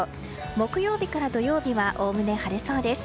木曜日から土曜日はおおむね晴れそうです。